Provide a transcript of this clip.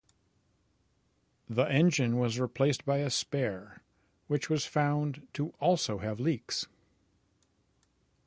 The engine was replaced by a spare, which was found to also have leaks.